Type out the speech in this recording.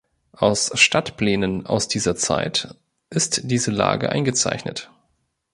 Auf Stadtplänen aus dieser Zeit ist diese Lage eingezeichnet.